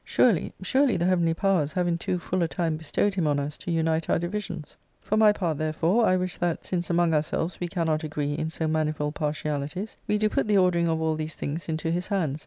Surely, surely the heavenly powers have in too full a time bestowed him on us to unite our divisions. For my part, therefore, I wish that, since among ourselves we cannot agree in so manifold partialities, we do put the ordering of all these things into his hands